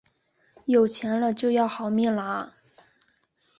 有钱了就要好命了啊